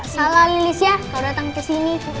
salah lilis ya kalau datang ke sini